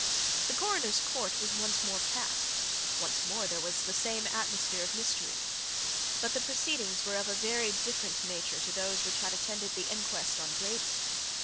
The Coroner's court was once more packed; once more there was the same atmosphere of mystery. But the proceedings were of a very different nature to those which had attended the inquest on Braden.